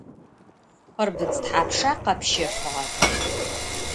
Xhırbıdz thapşşa khepşefığer?